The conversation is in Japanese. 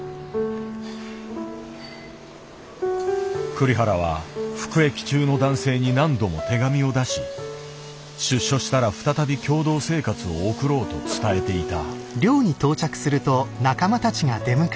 栗原は服役中の男性に何度も手紙を出し出所したら再び共同生活を送ろうと伝えていた。